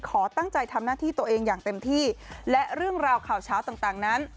ขอตั้งใจทำหน้าที่ตัวเองอย่างเต็มที่และเรื่องราวข่าวเช้าต่างนั้น